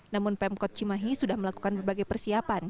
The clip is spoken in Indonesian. namun pemkot cimahi sudah melakukan berbagai persiapan